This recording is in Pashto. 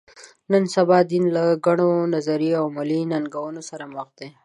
نن سبا دین له ګڼو نظري او عملي ننګونو سره مخ دی.